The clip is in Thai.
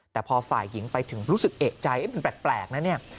แต่พอฝ่ายหญิงไปถึงรู้สึกเอกใจมันแปลกนะเนี่ย